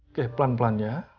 oke pelan pelan ya